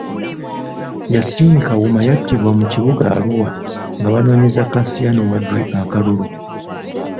Yassin Kawuma yattibwa mu kibuga Arua nga banoonyeza Kassiano Wadri akalulu.